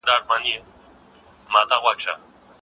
خدای پاک دا ماشوم زما د ازمېښت لپاره رالېږلی دی.